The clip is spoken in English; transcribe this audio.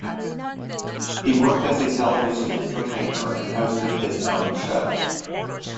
He worked as a television entertainer and hosted his own show.